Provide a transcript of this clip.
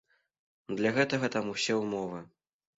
Для гэтага там усе ўмовы.